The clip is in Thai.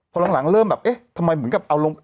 พอหลังเริ่มแบบเอ๊ะทำไมเหมือนกับเอาลง